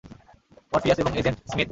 Morpheus এবং agent Smith.